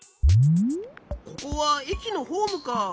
ここはえきのホームか。